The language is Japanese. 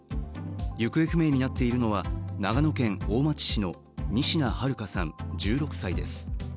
行方不明になっているのは長野県大町市の仁科日花さん１６歳です。